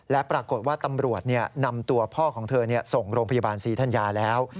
และปรากฏว่าตำรวจนำตัวพ่อของเธอส่งโรงพยาบาลศรีธัญญาแล้ว